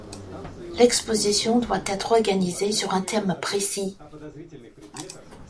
L'exposition doit être organisée sur un thème précis.